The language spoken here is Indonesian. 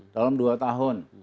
dalam dua tahun